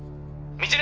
未知留！